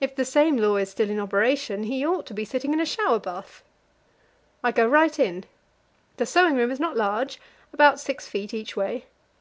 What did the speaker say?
If the same law is still in operation, he ought to be sitting in a shower bath. I go right in; the sewing room is not large, about 6 feet each way.